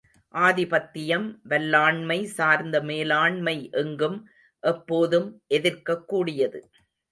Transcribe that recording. ஆதிபத்தியம், வல்லாண்மை சார்ந்த மேலாண்மை எங்கும் எப்போதும் எதிர்க்கக் கூடியது.